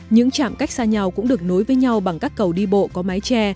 những trạm cách xa nhau cũng được nối với nhau bằng các cầu đi bộ có mái tre